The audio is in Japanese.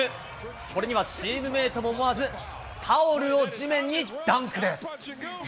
これにはチームメートも思わずタオルを地面にダンクです。